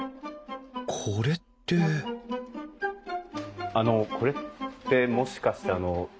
これってあのこれってもしかして牛の。